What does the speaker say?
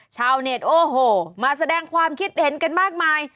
ชาวเน็ตโอ้โหมาแสดงความคิดเห็นกันมากมาย